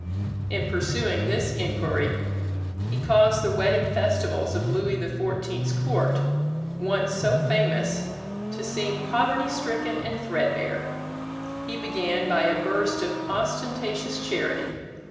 In pursuing this inquiry, he caused the wedding festivals of Louis XIV's court, once so famous, to seem poverty stricken and threadbare. He began by a burst of ostentatious charity.